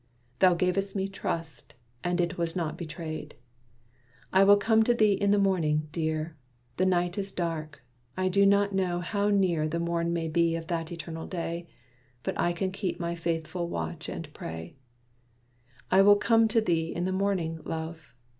Thou gav'st me trust, and it was not betrayed. "I will come to thee in the morning, dear! The night is dark. I do not know how near The morn may be of that Eternal Day; I can but keep my faithful watch and pray. "I will come to thee in the morning, love!